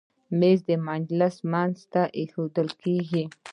مېز د مجلس منځ ته ایښودل کېږي.